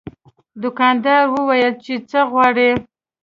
دوکاندار وویل چې څه غواړې.